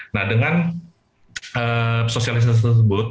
nah dengan sosialisasi tersebut